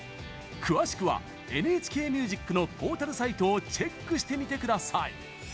詳しくはＮＨＫＭＵＳＩＣのポータルサイトをチェックしてみてください。